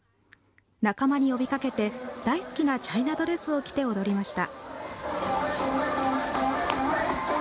仲間に呼びかけて大好きなチャイナドレスを着て踊りました。